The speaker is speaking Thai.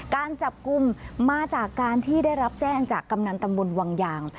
การจับกลุ่มมาจากการที่ได้รับแจ้งจากกำนันตำบลวังยาง